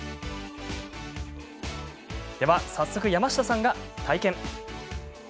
では早速、山下さんが体験。